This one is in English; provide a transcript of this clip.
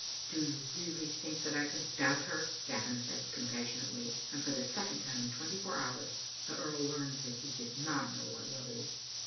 " Do you really think that I could doubt her?" Gavin said compassionately, and for the second time in twenty four hours the earl learned that he did not know what love is.